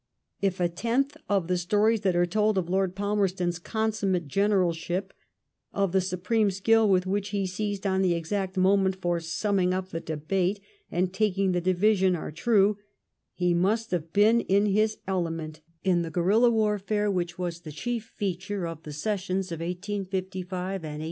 If a tenth of the stories that are told of Lord Palmerston's consummate general* ship, of the supreme skill with which he seized on the exact moment for summing up the debate and taking the division, are true ; he must have been in his element in the guerilla warfare which was the chief feature of the Sessions of 1855 and 1856.